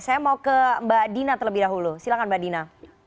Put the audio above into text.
saya mau ke mbak dina terlebih dahulu silahkan mbak dina